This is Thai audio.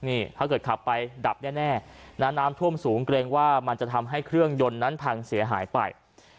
นี่ถ้าเกิดขับไปดับแน่นะน้ำท่วมสูงเกรงว่ามันจะทำให้เครื่องยนต์นั้นพังเสียหายไป